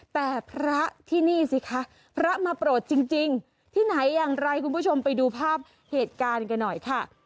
แต่พระที่นี่สิคะพระมาโปรดจริงที่ไหนอย่างไรคุณผู้ชมไปดูภาพเหตุการณ์กันหน่อยค่ะ